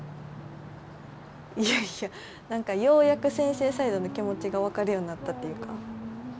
いやいや何かようやく先生サイドの気持ちが分かるようになったっていうか。